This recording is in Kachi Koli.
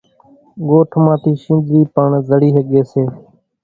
ڳوٺ مان ٿِي شينۮرِي پڻ زڙِي ۿڳيَ سي۔